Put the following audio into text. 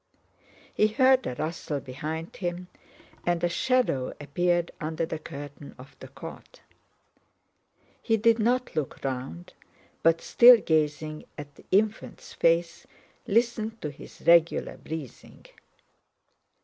He heard a rustle behind him and a shadow appeared under the curtain of the cot. He did not look round, but still gazing at the infant's face listened to his regular breathing.